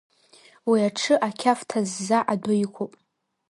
Уи аҽы ақьаф ҭазза адәы иқәуп…